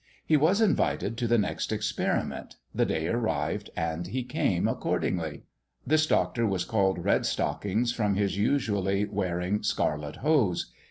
He was invited to the next experiment, the day arrived, and he came accordingly. This doctor was called "Red stockings," from his usually wearing scarlet hose.